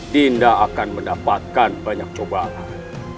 dinda akan mendapatkan banyak cobaan